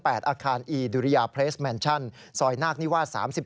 อาคารอีดุริยาเพลสแมนชั่นซอยนาคนิวาส๓๔